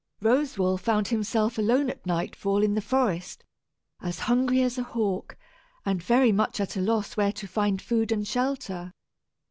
Roswal found himself alone at nightfall in the forest, as hungry as a hawk, and very much at a loss where to find food and shelter.